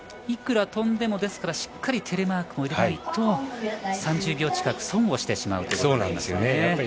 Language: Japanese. いくら飛んでもしっかりテレマークを入れないと３０秒近く損をしてしまうということですね。